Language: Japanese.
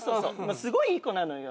すごいいい子なのよ。